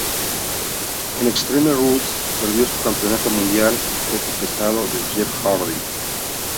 En Extreme Rules, perdió su Campeonato Mundial Peso Pesado de Jeff Hardy.